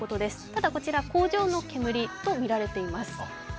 ただ、こちら工場の煙とみられています。